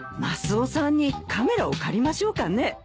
マスオさんにカメラを借りましょうかね。